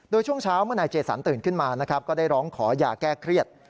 โดยช่วงเช้าเมื่อนายเจสันตื่นขึ้นมานะครับก็ได้ร้องขออย่าแก้เครียด